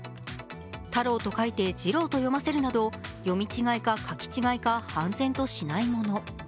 「太郎」と書いて「じろう」読ませるなど、読み違いか書き違いか判然としないもの。